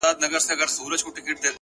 هوښیار انتخاب د سبا ستونزې کموي،